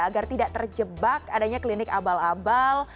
agar tidak terjebak adanya klinik abal abal